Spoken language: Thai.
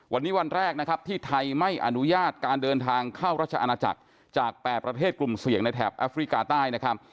วันนี้วันแรกนะครับที่ไทยไม่อนุญาตการเดินทางเข้ารัชอาณาจักรจาก๘ประเทศกลุ่มเสี่ยงในแถบแอฟริกาใต้นะครับ